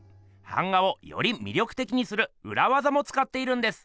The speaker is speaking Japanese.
版画をより魅力的にするうらわざもつかっているんです！